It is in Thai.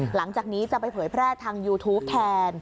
หลังจากนี้จะไปเผยแพร่ทางยูทูปแทน